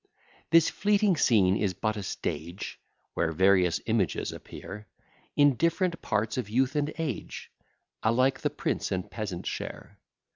This fleeting scene is but a stage, Where various images appear; In different parts of youth and age, Alike the prince and peasant share.